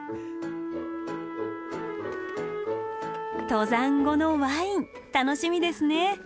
登山後のワイン楽しみですね！